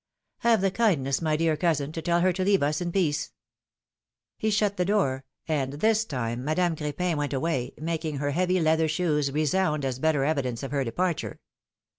Have the kindness, my dear cousin, to tell her to leave us in peace.^^ He shut the door, and this time Madame Cr^pin went away, making her heavy leather shoes resound as better evidence of her departure.